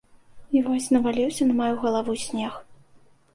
І вось наваліўся на маю галаву снег.